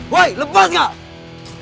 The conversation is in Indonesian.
woy lepas gak